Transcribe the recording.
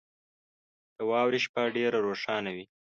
• د واورې شپه ډېره روښانه وي.